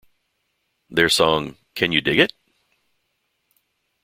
Their song Can You Dig It?